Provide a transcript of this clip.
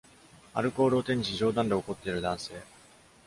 アルコールを手にし、冗談で怒っている男性